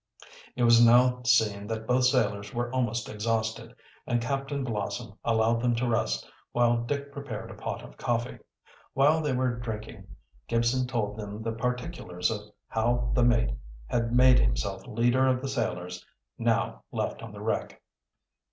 It was now seen that both sailors were almost exhausted, and Captain Blossom allowed them to rest, while Dick prepared a pot of coffee. While they were drinking, Gibson told them the particulars of how the mate had made himself leader of the sailors now left on the wreck.